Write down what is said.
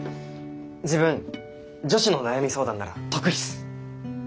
自分女子の悩み相談なら得意っす！